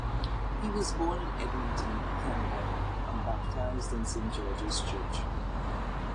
He was born in Edmonton, Canada and baptized in Saint George's church.